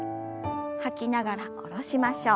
吐きながら下ろしましょう。